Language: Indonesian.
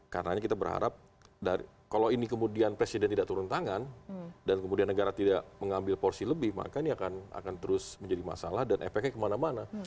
karena kita berharap kalau ini kemudian presiden tidak turun tangan dan kemudian negara tidak mengambil porsi lebih maka ini akan terus menjadi masalah dan efeknya kemana mana